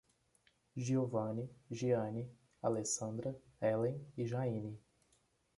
Giovane, Geane, Alessandra, Elen e Jaine